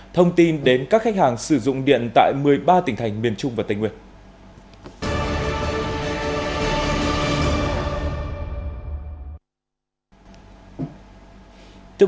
thông tin đến các khách hàng sử dụng điện tại một mươi ba tỉnh thành miền trung và điện lực miền trung